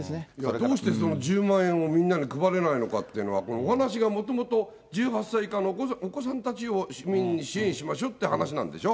どうしてその１０万円を、みんなに配れないのかっていうのは、お話がもともと１８歳以下のお子さんたちを支援しましょうという話なんでしょ。